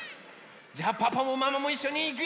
じゃあパパもママもいっしょにいくよ。